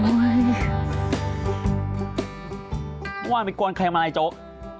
เมื่อวานไปกวนใครมาไอ้โจ๊ก